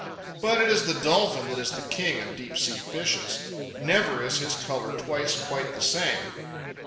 But it is the dolphin that is the king of deep sea fishes. Never is his colour twice quite the same.